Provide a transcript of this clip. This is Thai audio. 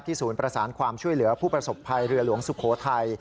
ศูนย์ประสานความช่วยเหลือผู้ประสบภัยเรือหลวงสุโขทัย